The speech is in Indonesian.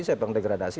siapa yang mau degradasi